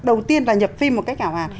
đầu tiên là nhập phim một cách ảo ạt